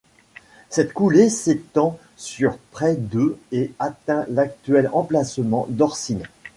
Cette coulée s'étend sur près de et atteint l'actuel emplacement d’Orcines.